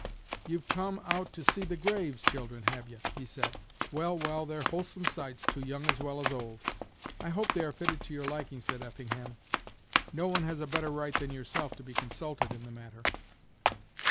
"You've come out to see the graves, children, have ye?" he said; "well, well, they're wholesome sights to young as well as old." "I hope they are fitted to your liking," said Effingham, "no one has a better right than yourself to be consulted in the matter."